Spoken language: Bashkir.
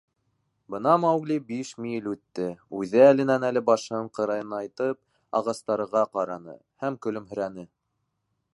Бына Маугли биш миль үтте, үҙе әленән-әле башын ҡырынайтып ағастарға ҡараны һәм көлөмһөрәне.